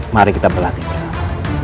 mari kita berlatih bersama